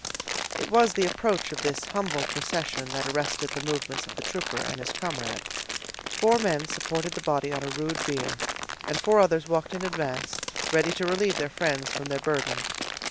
It was the approach of this humble procession that arrested the movements of the trooper and his comrade. Four men supported the body on a rude bier; and four others walked in advance, ready to relieve their friends from their burden.